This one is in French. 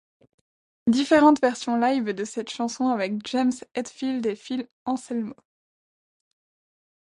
Différentes versions live de cette chanson avec James Hetfield et Phil Anselmo.